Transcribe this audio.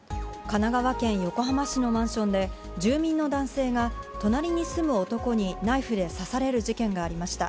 神奈川県横浜市のマンションで、住民の男性が隣に住む男にナイフで刺される事件がありました。